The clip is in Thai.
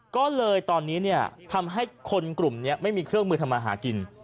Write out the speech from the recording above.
ก็เลยตอนนี้ทำให้คนกลุ่มนี้ไม่มีเครื่องมือทำมาหากิน